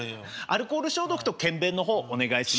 アルコール消毒と検便の方お願いします。